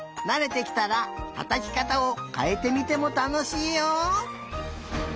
なれてきたらたたきかたをかえてみてもたのしいよ！